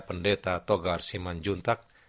pendeta togar siman juntak